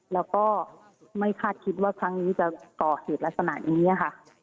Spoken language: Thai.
แล้วก็ไม่คาดคิดว่าครั้งนี้จะก่อเหตุลักษณะนี้ค่ะ